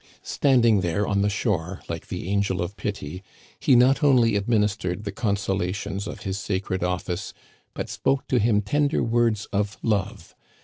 Standing there on the shore, like the Angel of Pity, he not only administered the consolations of his sacred office, but spoke to him tender words of love.